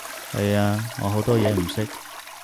係啊，我好多嘢唔識